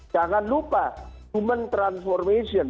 jangan lupa human transformation